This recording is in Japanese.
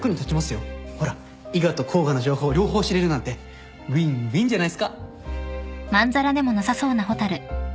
ほら伊賀と甲賀の情報両方知れるなんてウィンウィンじゃないっすか。